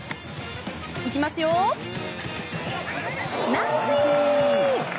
行きますよナイスイン！